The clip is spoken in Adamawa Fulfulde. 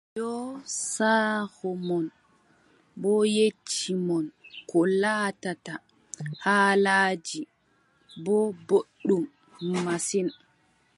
Yoo saaro mon boo yecci mon koo laatata, haalaaji boo ɗuuɗɗum masin.